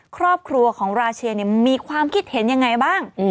ครอบครัวของราเชนมีความคิดเห็นยังไงบ้าง